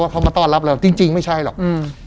เขามาต้อนรับเราจริงจริงไม่ใช่หรอกอืม